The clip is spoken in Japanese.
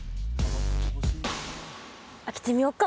開けてみようか？